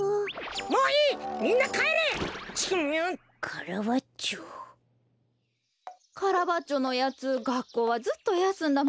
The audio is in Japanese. カラバッチョのやつがっこうはずっとやすんだままやな。